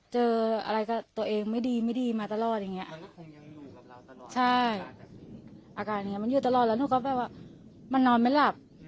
ใช่อากาศอย่างนี้มันยืดตลอดแล้วนุ๊กก็แปลว่ามันนอนไม่หลับ